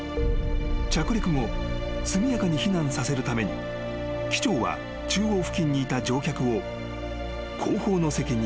［着陸後速やかに避難させるために機長は中央付近にいた乗客を後方の席に移動させたのだ］